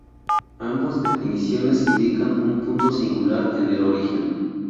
Ambos definiciones indican un punto singular en el origen.